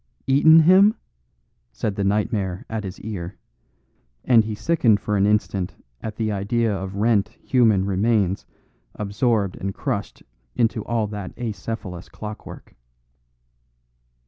"Eaten him?" said the nightmare at his ear; and he sickened for an instant at the idea of rent, human remains absorbed and crushed into all that acephalous clockwork.